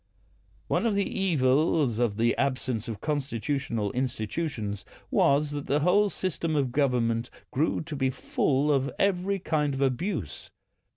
One of the evils of the absence of constitutional institutions was that the whole system of gov ernment grew to be full of every kind of abuse.